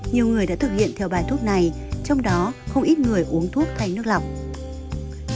nhiều người đã thực hiện theo bài thuốc này trong đó không ít người uống thuốc hay nước lọc